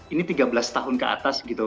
ini tiga belas tahun ke atas gitu